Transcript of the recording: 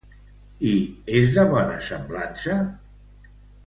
I és de bona semblança?